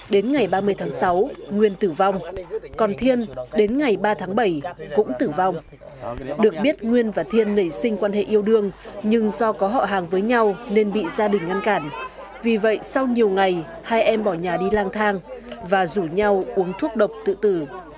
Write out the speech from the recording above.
đến ngày ba mươi tháng sáu nguyên tử vong còn thiên đến ngày ba tháng bảy cũng tử vong được biết nguyên và thiên nảy sinh quan hệ yêu đương nhưng do có họ hàng với nhau nên bị gia đình ngăn cản vì vậy sau nhiều ngày hai em bỏ nhà đi lang thang và rủ nhau uống thuốc độc tự tử